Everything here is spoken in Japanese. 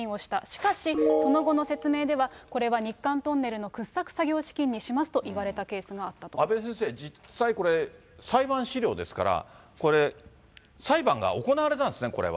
しかし、その後の説明では、これは日韓トンネルの掘削作業資金にしますと言われたケースがあ阿部先生、実際これ、裁判資料ですから、これ、そうですね。